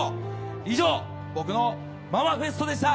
以上、僕のママフェストでした。